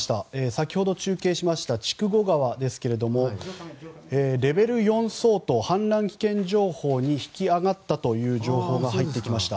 先ほど中継しました筑後川ですが、レベル４相当氾濫危険情報に引き上がったという情報が入ってきました。